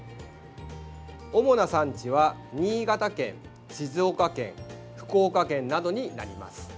主な産地は新潟県静岡県、福岡県などになります。